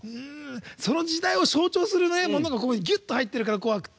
その時代を象徴するものがギュッと入っているからね「紅白」って。